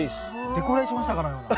デコレーションしたかのような。